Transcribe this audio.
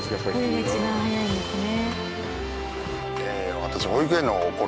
これが一番早いんですね。